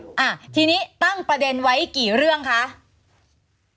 อ่าทีนี้ตั้งประเด็นไว้กี่เรื่องคะ